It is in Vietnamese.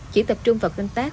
chỉ tập trung vào canh tác